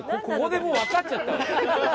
ここでもうわかっちゃったよ。